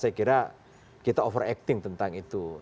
saya kira kita over acting tentang itu